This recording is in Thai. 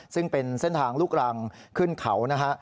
ซึ่งเป็นเส้นทางลูกรังขึ้นเขานะฮะ